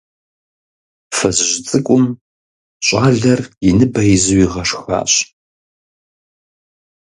Фызыжь цӀыкӀум щӀалэр и ныбэ изу игъашхащ.